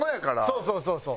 そうそうそうそう。